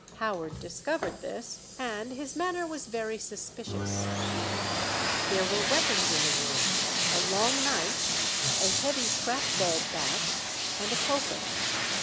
Howard discovered this, and his manner was very suspicious; there were weapons in the room a long knife, a heavy trap ball bat, and a poker.